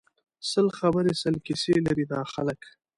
سل خبری سل کیسی لري دا خلک